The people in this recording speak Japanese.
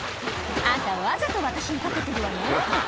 「あんたわざと私にかけてるわね？」